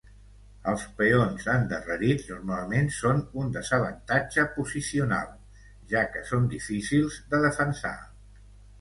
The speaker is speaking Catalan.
Els peons endarrerits normalment són un desavantatge posicional, ja que són difícils de defensar.